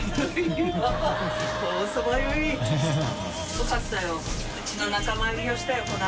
よかったよ。